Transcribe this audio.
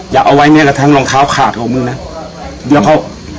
อย่าเอาไว้เนี่ยกระทั่งรองเท้าขาดออกมึงนะ